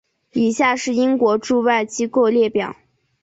以下是英国驻外机构列表。